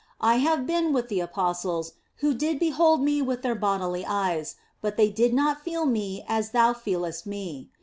I have been with the apostles, who did behold Me with their bodily eyes, but they did not feel Me as thou feelest Me.